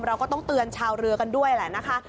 เราก็ต้องเตือนชาวเรือกันด้วยแหละนะคะ